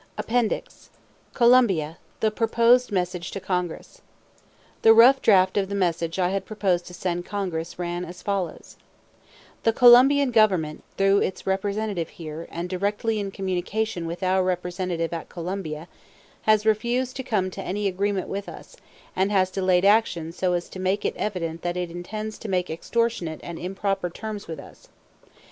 APPENDIX COLOMBIA: THE PROPOSED MESSAGE TO CONGRESS The rough draft of the message I had proposed to send Congress ran as follows: "The Colombian Government, through its representative here, and directly in communication with our representative at Colombia, has refused to come to any agreement with us, and has delayed action so as to make it evident that it intends to make extortionate and improper terms with us.